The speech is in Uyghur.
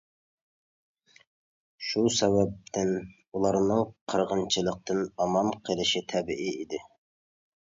شۇ سەۋەبتىن ئۇلارنىڭ قىرغىنچىلىقتىن ئامان قېلىشى تەبىئىي ئىدى.